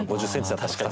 あ確かに。